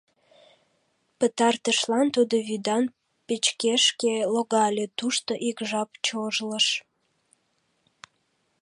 Пытартышлан тудо вӱдан печкешке логале, тушто ик жап чожлыш.